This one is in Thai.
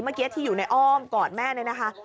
เมื่อกี้ที่อยู่ในอ้อมกอดแม่เนี่ยนะคะ